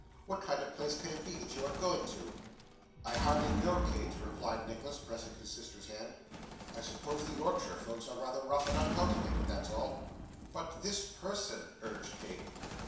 What kind of place can it be that you are going to?' 'I hardly know, Kate,' replied Nicholas, pressing his sister's hand. 'I suppose the Yorkshire folks are rather rough and uncultivated; that's all.' 'But this person,' urged Kate.